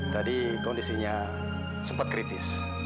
tadi kondisinya sempat kritis